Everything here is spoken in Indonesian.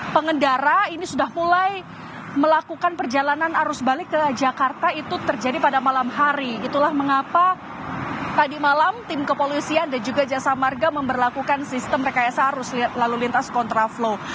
pengendara ini sudah mulai melakukan perjalanan arus balik ke jakarta itu terjadi pada malam hari itulah mengapa tadi malam tim kepolisian dan juga jasa marga memperlakukan sistem rekayasa arus lalu lintas kontraflow